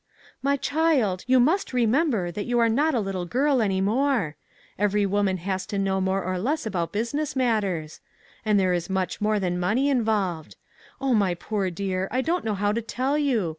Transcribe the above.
" My child, you must remember that you are not a little girl any more ; every woman has to know more or less about business matters. And there is much more than money involved. Oh, my poor dear ! I don't know how to tell you!